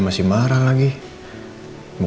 masakan yang terbaik